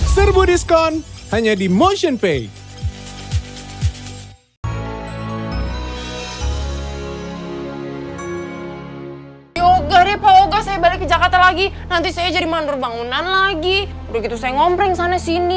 serbu diskon hanya di motionpay